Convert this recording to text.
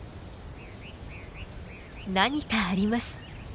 何かあります。